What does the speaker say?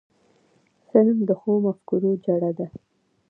قلم د ښو مفکورو جرړه ده